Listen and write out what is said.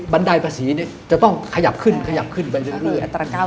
บันไดภาษีจะต้องขยับขึ้นไปเรื่อย